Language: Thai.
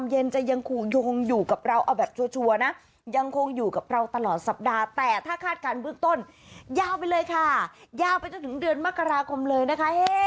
ยาวไปเลยค่ะยาวไปจนถึงเดือนมกราคมเลยนะคะ